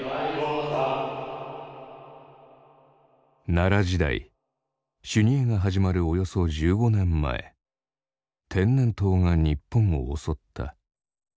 奈良時代修二会が始まるおよそ１５年前天然痘が日本を襲った。